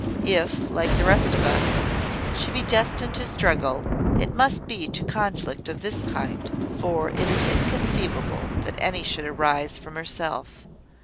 If, like the rest of us, she be destined to struggle, it must be to conflict of this kind; for it is inconceivable that any should arise from herself.